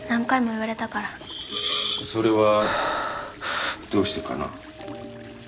それはどうしてかな？